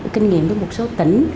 kinh nghiệm với một số tỉnh